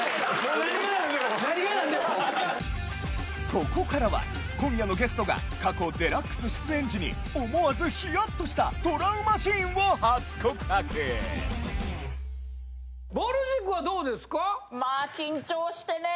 ここからは今夜のゲストが過去『ＤＸ』出演時に思わずヒヤッとしたトラウマシーンを初告白ぼる塾はどうですか？